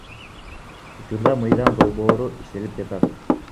Учурда мыйзам долбоору иштелип жатат.